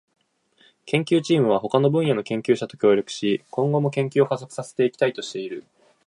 研究チームは他の分野の研究者と協力し、今後も研究を加速させていきたいとしている。